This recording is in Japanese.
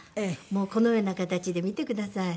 もうこのような形で見てください。